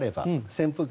扇風機。